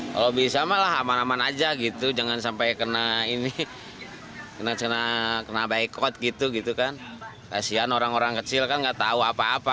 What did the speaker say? saya di masyarakat kita sudah kenal masyarakat kita sudah cukup lama